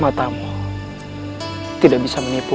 matamu tidak bisa menipu